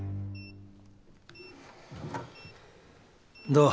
どう？